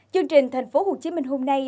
chương trình thành phố hồ chí minh hôm nay